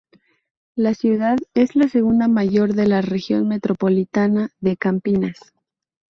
La ciudad es la segunda mayor de la Región Metropolitana de Campinas.